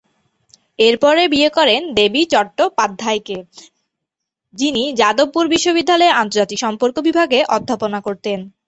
এরপরে বিয়ে করেন দেবী চট্টোপাধ্যায়কে, যিনি যাদবপুর বিশ্ববিদ্যালয়ে আন্তর্জাতিক সম্পর্ক বিভাগে অধ্যাপনা করতেন।